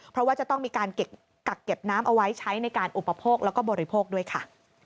เพราะว่าจะต้องมีการกักเก็บน้ำเอาไว้ใช้ในการอุปโภคแล้วก็บริโภคด้วยค่ะ